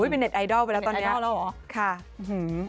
เป็นเน็ตไอดอลไปแล้วตอนนี้